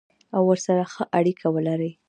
او ورسره ښه اړیکه ولري.